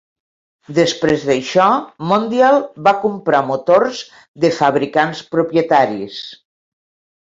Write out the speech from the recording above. Després d'això, Mondial va comprar motors de fabricants propietaris.